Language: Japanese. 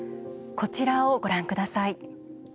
こちらをご覧ください。